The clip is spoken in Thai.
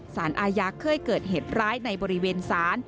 สารอาญาเคยเกิดเหตุร้ายในบริเวณศาล